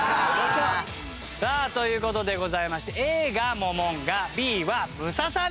さあという事でございましてＡがモモンガＢはムササビと。